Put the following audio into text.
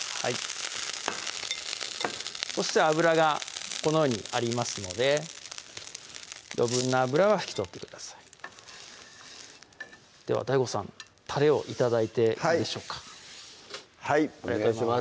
そして油がこのようにありますので余分な油は拭き取ってくださいではＤＡＩＧＯさんタレを頂いていいでしょうかはいお願いします